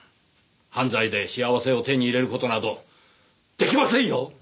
犯罪で幸せを手に入れる事など出来ませんよ！